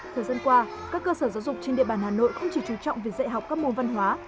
thời gian qua các cơ sở giáo dục trên địa bàn hà nội không chỉ trú trọng việc dạy học các môn văn hóa